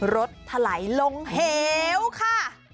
ถลายลงเหวค่ะ